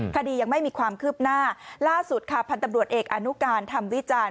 คดียังไม่มีความคืบหน้าล่าสุดค่ะพันธ์ตำรวจเอกอนุการทำวิจารณ